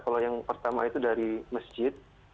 kalau yang pertama itu dari masjid